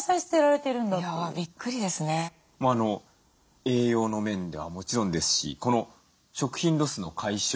もう栄養の面ではもちろんですしこの食品ロスの解消